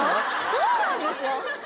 そうなんですよ！